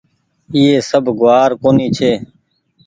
ايئي سب گوآر ڪونيٚ ڇي